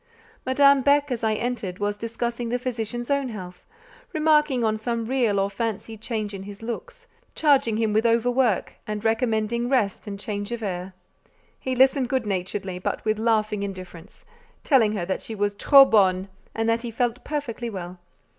Madame Beck, as I entered, was discussing the physician's own health, remarking on some real or fancied change in his looks, charging him with over work, and recommending rest and change of air. He listened good naturedly, but with laughing indifference, telling her that she was "trop bonne," and that he felt perfectly well.